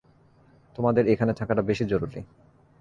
তোমাদের এখানে থাকাটা বেশি জরুরি।